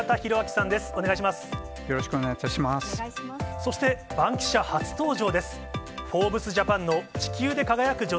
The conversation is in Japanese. そして、バンキシャ初登場です。